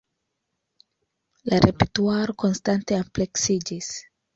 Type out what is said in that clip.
La repertuaro konstante ampleksiĝis.